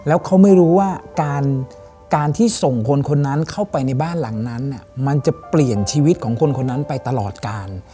แล้วเขาไม่รู้ว่าการที่ส่งคนคนนั้นเข้าไปในบ้านหลังนั้นมันจะเปลี่ยนชีวิตของคนคนนั้นไปตลอดการ